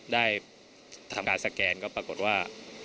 ได้ทำการสแกนก็ปรากฏว่า